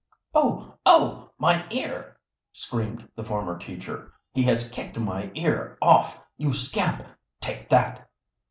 "Oh! oh! my ear!" screamed the former teacher. "He has kicked my ear off. You scamp, take that!"